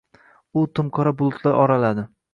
U timqora bulutlar oraladi.